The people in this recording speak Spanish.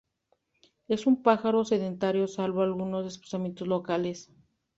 Es un pájaro sedentario salvo algunos desplazamientos locales.